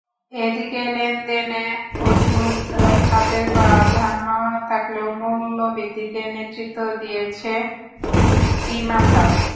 এদিকে লেনদেনে ওষুধ খাতের প্রাধান্য থাকলেও মূল্যবৃদ্ধিতে নেতৃত্ব দিয়েছে বিমা খাত।